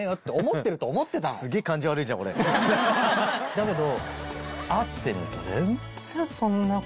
だけど。